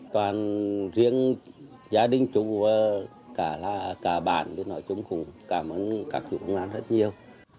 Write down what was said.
toàn riêng gia đình chủ cả bạn nói chung cảm ơn các chủ công an rất nhiều